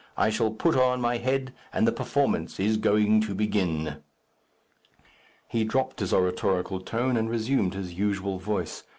I shall put on my head, and the performance is going to begin." He dropt his oratorical tone, and resumed his usual voice.